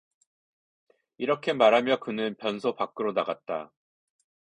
이렇게 말하며 그는 변소 밖으로 나갔다.